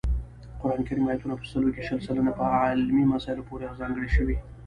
قران کریم آیاتونه په سلو کې شل سلنه په علمي مسایلو پورې ځانګړي شوي